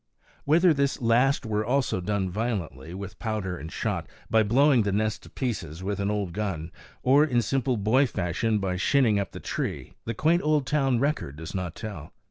Whether this last were also done violently, with powder and shot, by blowing the nest to pieces with an old gun, or in simple boy fashion by shinning up the tree, the quaint old town record does not tell.